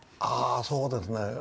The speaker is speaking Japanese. ああそうですね。